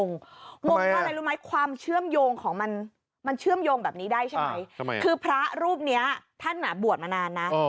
งงเพราะอะไรรู้ไหมความเชื่อมโยงของมันมันเชื่อมโยงแบบนี้ได้ใช่ไหมคือพระรูปนี้ท่านบวชมานานนะ